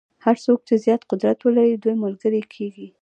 هر څوک چې زیات قدرت ولري دوی ملګري کېږي.